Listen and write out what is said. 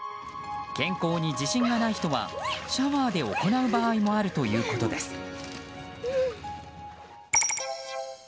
健康に自信がない人はシャワーで行う場合もあるということです。